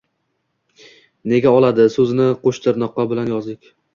Nega oladi so`zini qo`shtirnoqqa bilan yozdik